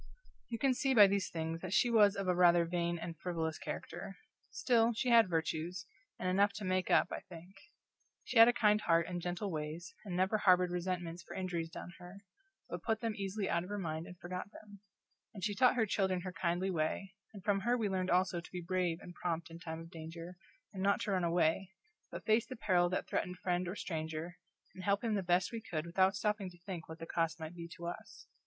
You can see by these things that she was of a rather vain and frivolous character; still, she had virtues, and enough to make up, I think. She had a kind heart and gentle ways, and never harbored resentments for injuries done her, but put them easily out of her mind and forgot them; and she taught her children her kindly way, and from her we learned also to be brave and prompt in time of danger, and not to run away, but face the peril that threatened friend or stranger, and help him the best we could without stopping to think what the cost might be to us.